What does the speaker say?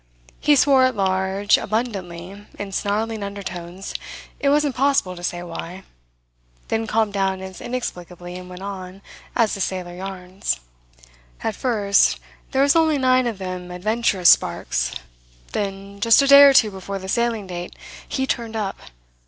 He swore at large, abundantly, in snarling undertones, it was impossible to say why, then calmed down as inexplicably, and went on, as a sailor yarns. "At first there were only nine of them adventurous sparks, then, just a day or two before the sailing date, he turned up.